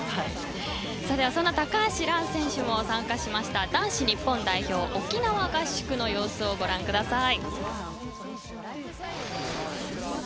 そんな高橋藍選手も参加されました男子日本代表沖縄合宿の様子をご覧ください。